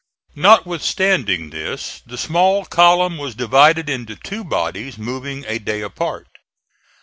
Notwithstanding this the small column was divided into two bodies, moving a day apart.